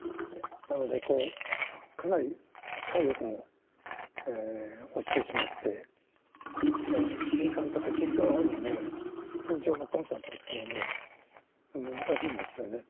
なのでこう、かなり体力も落ちてしまって、１時間とか１時間半の通常のコンサートっていうのはもう難しいんですよね。